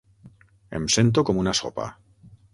Em sento com una sopa.